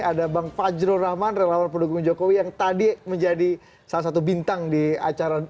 ada bang fajrul rahman relawan pendukung jokowi yang tadi menjadi salah satu bintang di acara